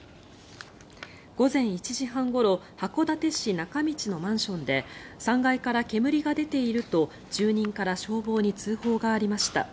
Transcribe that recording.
午前１時半ごろ函館市中道のマンションで３回から煙が出ていると住人から消防に通報がありました。